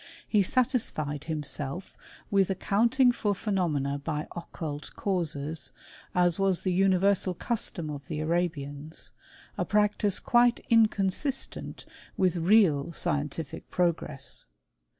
He satisfied himself with account ing for phenomena by occult causes, as was the uni versal custom of the Arabians ; a practice quite in consistent with real scientific progress.